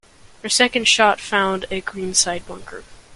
Her second shot found a green-side bunker.